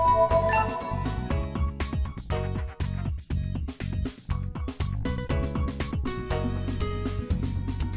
xin chào và hẹn gặp lại